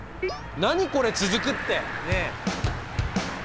何これ「つづく」ってねえ！